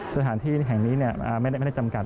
สถานที่แห่งนี้ไม่ได้จำกัด